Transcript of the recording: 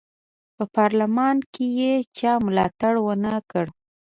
په پارلمان کې یې چا ملاتړ ونه کړ.